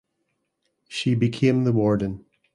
She became the warden.